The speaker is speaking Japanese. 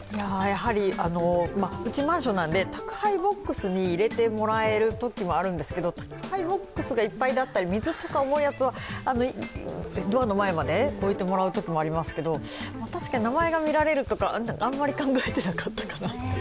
うちはマンションなので宅配ボックスに入れてもらえるときもあるんですけど宅配ボックスがいっぱいだったり、水とか重いやつはドアの前まで置いてもらうこともありますけれども確かに名前が見られるとかあんまり考えてなかったかなっていう。